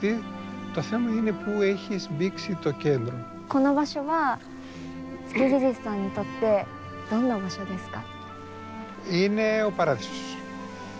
この場所はツキジジスさんにとってどんな場所ですか？